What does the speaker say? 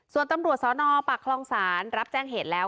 ส่วนตำรวจสนปากคลองศาลรับแจ้งเหตุแล้ว